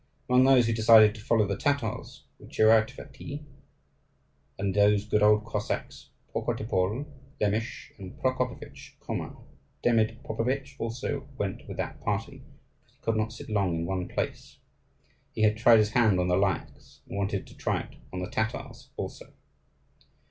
Among those who decided to follow the Tatars were Tcherevaty, and those good old Cossacks Pokotipole, Lemisch, and Prokopovitch Koma. Demid Popovitch also went with that party, because he could not sit long in one place: he had tried his hand on the Lyakhs and wanted to try it on the Tatars also.